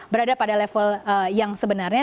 berada pada level yang sebenarnya